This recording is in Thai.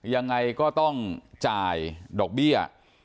ยังไงก็ต้องจ่ายดอกเบี้ย